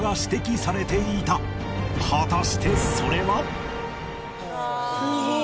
果たしてそれは？